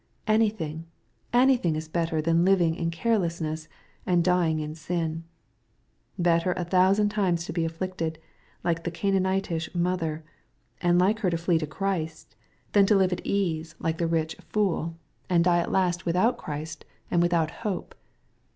Anything, anything is better than living in carelessness, and dying in sin. Better a thousand times be afflicted, like the Canaanitish mother, and like her flee to Christ; than live at ease^ like MATTHBW, CHAP. XT. 181 the ricti ^^ fool/' and die at last without Chriflt and with out hope.